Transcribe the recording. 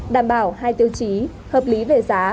đảm bảo hai tiêu chí hợp lý về giá